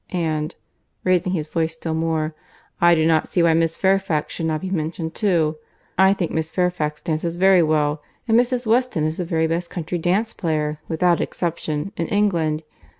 And (raising his voice still more) I do not see why Miss Fairfax should not be mentioned too. I think Miss Fairfax dances very well; and Mrs. Weston is the very best country dance player, without exception, in England.